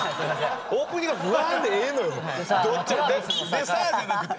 「でさ」じゃなくて！